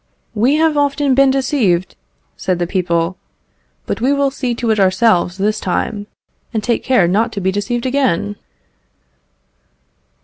"We have often been deceived," said the people; "but we will see to it ourselves this time, and take care not to be deceived again?"